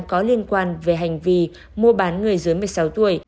có liên quan về hành vi mua bán người dưới một mươi sáu tuổi